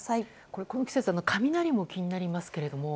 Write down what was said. この季節、雷も気になりますが。